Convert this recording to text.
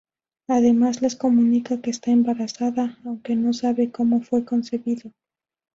Además les comunica que está embarazada, aunque no sabe cómo fue concebido.